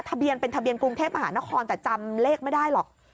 ทะเบียนเป็นทะเบียนกรุงเทพมหานครแต่จำเลขไม่ได้หรอก